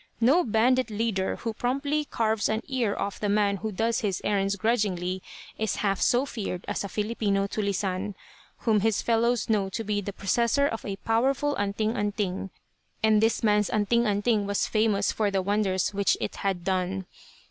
No bandit leader who promptly carves an ear off the man who does his errands grudgingly is half so feared as a Filipino "tulisane" whom his fellows know to be the possessor of a powerful "anting anting." And this man's "anting anting" was famous for the wonders which it had done.